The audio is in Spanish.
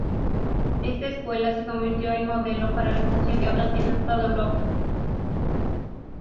Esta Escuela se convirtió en modelo para la fundación de otras en toda Europa.